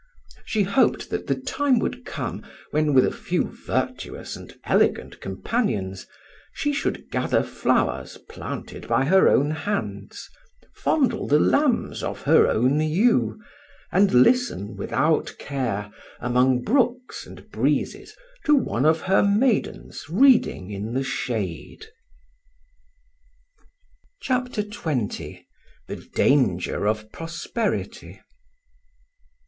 She hoped that the time would come when, with a few virtuous and elegant companions, she should gather flowers planted by her own hands, fondle the lambs of her own ewe, and listen without care, among brooks and breezes, to one of her maidens reading in the shade. CHAPTER XX THE DANGER OF PROSPERITY.